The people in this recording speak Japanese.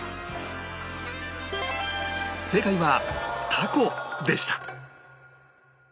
正解は凧でした